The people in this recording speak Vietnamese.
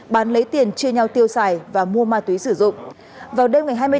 bán lấy tiền chưa nhau tiêu xài và mua ma túy sử dụng